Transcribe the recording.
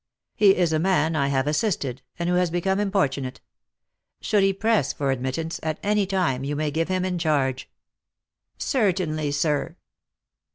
" He is a man I have assisted, and who has become importu nate. Should he press for admittance, at any time you may give him in charge." Lost for Love. 275 " Certainly, sir."